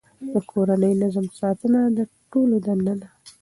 د کورني نظم ساتنه د ټولو دنده ده.